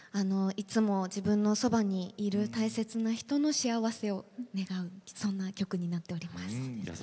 いつも自分のそばにいる大切な人の幸せを願うそんな曲になっております。